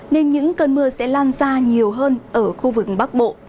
nên những cơn mưa sẽ lan ra nhiều hơn ở khu vực bắc bộ